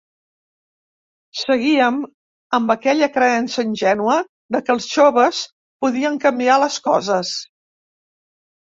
Seguíem amb aquella creença ingènua de que els joves podien canviar les coses.